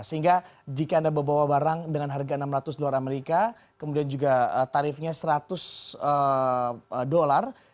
sehingga jika anda membawa barang dengan harga enam ratus dolar amerika kemudian juga tarifnya seratus dolar